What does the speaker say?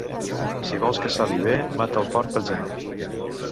Si vols que sali bé, mata el porc pel gener.